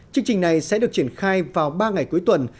chương trình này sẽ được triển khai vào ba ngày cuối tuần